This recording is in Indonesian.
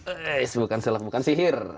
ees bukan selek bukan sihir